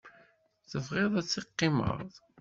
Tebɣiḍ ad teqqimeḍ?